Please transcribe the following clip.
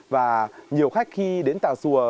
và nhiều khách khi đến tà sùa